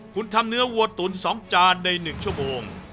คุณทำเนื้อวัวตุ๋น๒จานใน๑ชั่วโมง